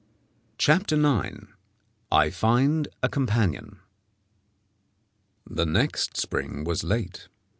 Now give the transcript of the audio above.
CHAPTER IX I FIND A COMPANION The next spring was late.